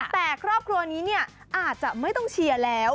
แต่ครอบครัวนี้เนี่ยอาจจะไม่ต้องเชียร์แล้ว